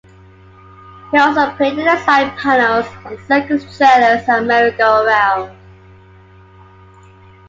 He also painted the side-panels on circus trailers and merry-go-rounds.